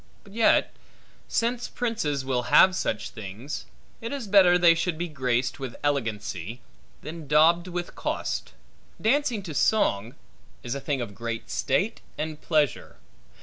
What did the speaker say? But yet, since princes will have such things, it is better they should be graced with elegancy, than daubed with cost. Dancing to song, is a thing of great state and pleasure.